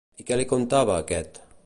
I què li contava, aquest?